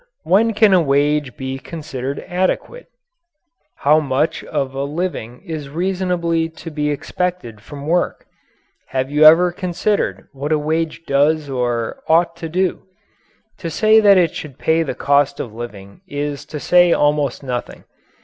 When can a wage be considered adequate? How much of a living is reasonably to be expected from work? Have you ever considered what a wage does or ought to do? To say that it should pay the cost of living is to say almost nothing.